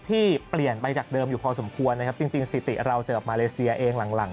ที่เปลี่ยนไปจากเดิมอยู่พอสมควรนะครับจริงสิติเราเจอกับมาเลเซียเองหลังหลัง